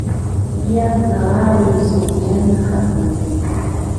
پیاز د غاړې سوجن ختموي